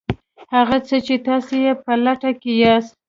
هغه څه چې تاسې یې په لټه کې یاست